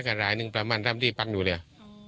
ก็ลายนึงความสำคัมประมาณที่ปรรถอยู่แล้ว